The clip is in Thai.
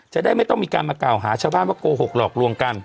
จะได้ไม่ต้องมีการมากล่าวหาชาวบ้านว่าโกหกหลอกลวงกัน